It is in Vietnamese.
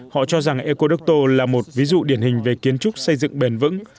họ cho rằng ecoducto là một ví dụ điển hình về kiến trúc xây dựng bền vững